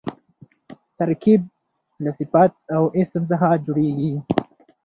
ترکیب له صفت او اسم څخه جوړېږي.